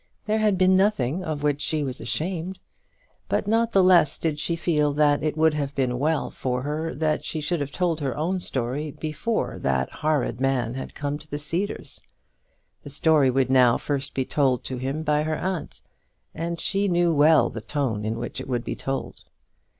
There had been nothing of which she was ashamed. But not the less did she feel that it would have been well for her that she should have told her own story before that horrid man had come to the Cedars. The story would now first be told to him by her aunt, and she knew well the tone in which it would be told.